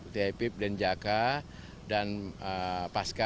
di epip denjaka dan pasca